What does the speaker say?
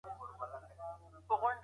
ایا دا ځانګړی بوټی په اوړي کې شنه کېږي؟